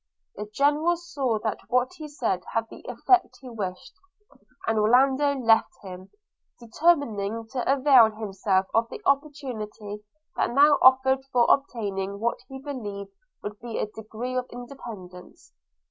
The General saw that what he said had the effect he wished; and Orlando left him, determined to avail himself of the opportunity that now offered for obtaining what he believed would be a degree of independence.